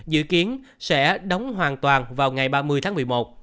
dự kiến sẽ đóng hoàn toàn vào ngày ba mươi tháng một mươi một